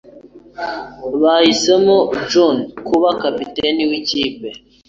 Bahisemo John kuba kapiteni wikipe.